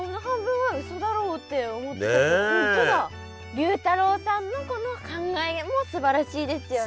龍太郎さんのこの考えもすばらしいですよね。